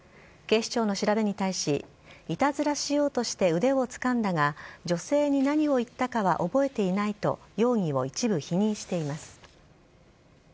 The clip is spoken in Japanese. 警視庁の調べに対し、いたずらしようとして腕をつかんだが、女性に何を言ったかは覚えていないと、容疑を一部否認しています。